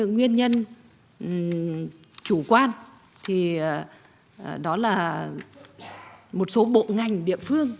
nguyên nhân chủ quan thì đó là một số bộ ngành địa phương